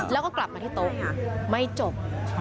แล้วก็กลับมาที่โต๊ะค่ะไม่จบ